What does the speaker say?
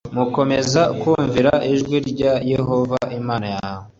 nukomeza kumvira ijwi rya yehova imana yawe